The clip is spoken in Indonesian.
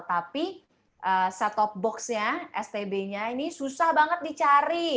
tapi set top boxnya stb nya ini susah banget dicari